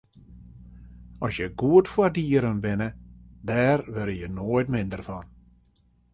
As je goed foar dieren binne, dêr wurde je noait minder fan.